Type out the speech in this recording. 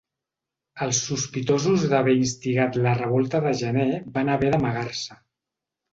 Els sospitosos d'haver instigat la revolta de gener van haver d'amagar-se.